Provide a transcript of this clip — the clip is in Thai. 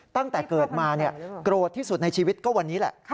ตั้งแต่เกิดมาโกรธที่สุดในชีวิตก็วันนี้แหละ